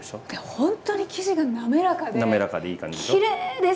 ほんとに生地が滑らかで。